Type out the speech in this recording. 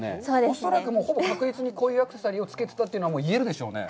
恐らく確実にこういうアクセサリーをつけてたということは言えるでしょうね。